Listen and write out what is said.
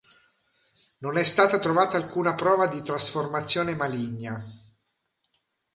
Non è stata trovata alcuna prova di trasformazione maligna.